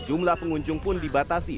jumlah pengunjung pun dibatasi